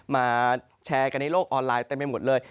มาแชร์กันในโลกออนไลน์เต็มไปหมดเลย